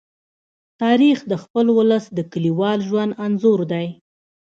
تاریخ د خپل ولس د کلیوال ژوند انځور دی.